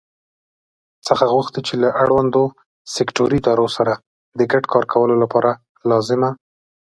څخه غوښتي چې له اړوندو سکټوري ادارو سره د ګډ کار کولو لپاره لازمه